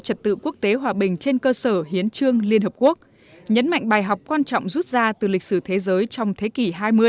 trật tự quốc tế hòa bình trên cơ sở hiến trương liên hợp quốc nhấn mạnh bài học quan trọng rút ra từ lịch sử thế giới trong thế kỷ hai mươi